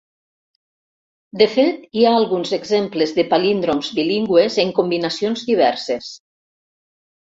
De fet, hi ha alguns exemples de palíndroms bilingües en combinacions diverses.